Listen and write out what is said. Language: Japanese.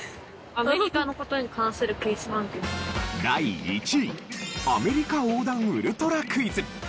第１位『アメリカ横断ウルトラクイズ』。